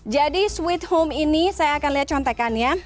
jadi sweet home ini saya akan lihat contekannya